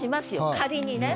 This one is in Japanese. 仮にね。